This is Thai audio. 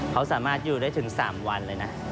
เขาสามารถอยู่ได้ถึง๓วันเลยนะ